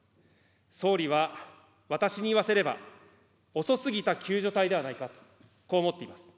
総理は私に言わせれば、遅すぎた救助隊ではないか、こう思っています。